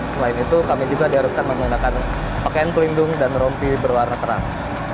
selain itu kami juga diharuskan menggunakan pakaian pelindung dan rompi berwarna terang